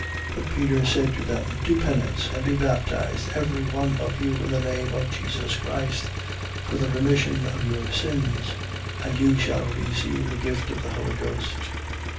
2:38. But Peter said to them: Do penance: and be baptized every one of you in the name of Jesus Christ, for the remission of your sins. And you shall receive the gift of the Holy Ghost.